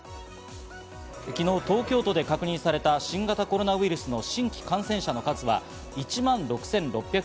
昨日、東京都で確認された新型コロナウイルスの新規感染者の数は、１万６６６２人。